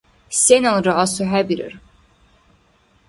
Сеналра асухӀебирар.